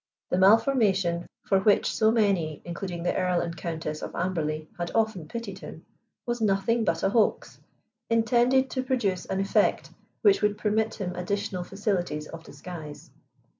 The malformation, for which so many, including the Earl and Countess of Amberley, had often pitied him, was nothing but a hoax intended to produce an effect which would permit him additional facilities of disguise.